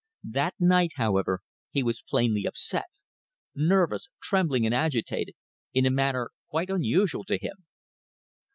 That night, however, he was plainly upset nervous, trembling and agitated, in a manner quite unusual to him.